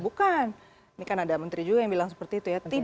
bukan ini kan ada menteri juga yang bilang seperti itu ya